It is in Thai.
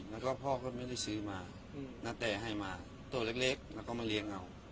แล้วก็พ่อก็ไม่ได้ซื้อมาณแต่ให้มาตัวเล็กแล้วก็มาเลี้ยงเอา